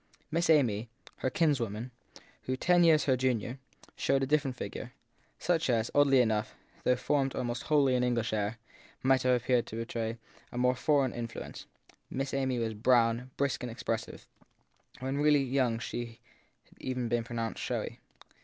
Miss Amy, her kinswoman, who, ten years her junior, showed a different figure such as, oddly enough, though formed almost wholly in English air, might have appeared much more to betray a foreign influence Miss Amy was brown, brisk, 242 THE THIED PEKSON 243 and expressive: when really young she had even been pro nounced showy.